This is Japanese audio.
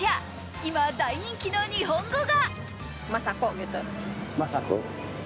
今、大人気の日本語が。